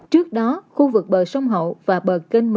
trước đó khu vực bờ sông hồ chí minh đã tổ chức di dợi hai mươi năm hộ dân